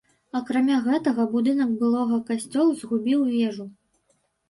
Акрамя гэтага, будынак былога касцёл згубіў вежу.